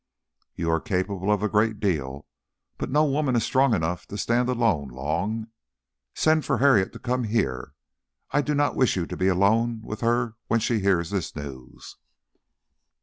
"You are capable of a great deal, but no woman is strong enough to stand alone long. Send for Harriet to come here. I don't wish you to be alone with her when she hears this news."